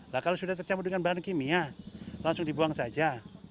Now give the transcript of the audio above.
nah kalau sudah tercampur dengan bahan kimia langsung dibuang saja